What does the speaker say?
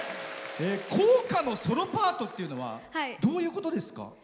校歌のソロパートっていうのはどういうことですか？